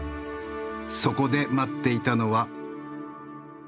そこで待っていたのは。